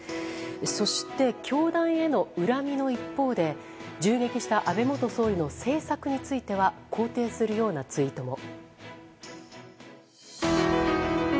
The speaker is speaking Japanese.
そして、教団への恨みの一方で銃撃した安倍元総理の政策については肯定するようなツイートも。